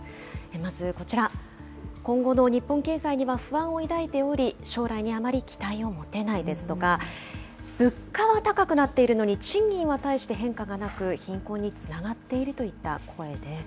まずこちら、今後の日本経済には不安を抱いており、将来にあまり期待を持てないですとか、物価は高くなっているのに賃金はたいして変化がなく、貧困につながっているといった声です。